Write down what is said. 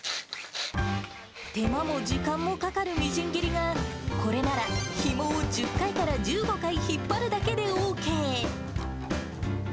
手間も時間もかかるみじん切りが、これならひもを１０回から１５回引っ張るだけでＯＫ。